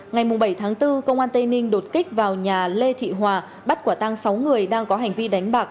ngày bảy tháng bốn công an tây ninh đột kích vào nhà lê thị hòa bắt quả tăng sáu người đang có hành vi đánh bạc